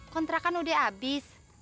kontra kan udah abis